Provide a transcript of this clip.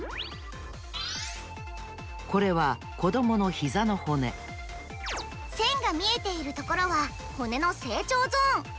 これはこどものひざの骨せんがみえているところは骨の成長ゾーン。